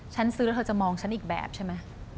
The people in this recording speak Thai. ฉันซื้อแล้วเธอจะมองฉันอีกแบบใช่ไหม